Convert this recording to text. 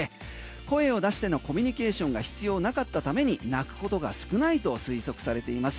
声を出してのコミュニケーションが必要なかったために鳴くことが少ないと推測されています。